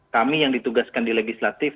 kami yang ditugaskan di legislatif